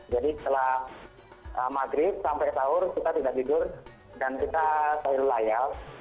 jadi setelah maghrib sampai sahur kita tidak tidur dan kita selalu layak